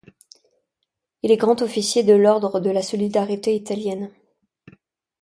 Il est Grand-Officier de l'Ordre de la Solidarité Italienne.